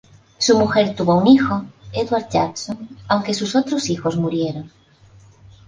Su mujer tuvo un hijo, Edward Judson, aunque sus otros hijos murieron.